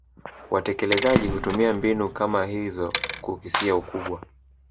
Watekelezaji hutumia mbinu kama hizo kukisia ukubwa